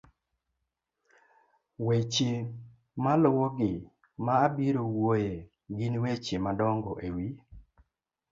weche maluwogi ma abiro wuoye gin weche madongo e wi